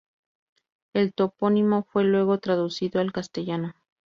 El topónimo fue luego traducido al castellano.